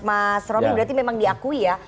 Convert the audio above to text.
mas romy berarti memang diakui ya